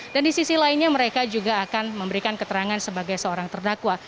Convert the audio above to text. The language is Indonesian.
dan di sisi lainnya mereka juga akan memberikan keterangan sebagai seorang saksi